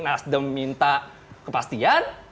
nasdem minta kepastian